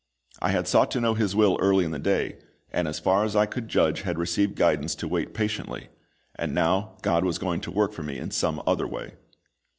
I had sought to know His will early in the day, and as far as I could judge had received guidance to wait patiently; and now GOD was going to work for me in some other way.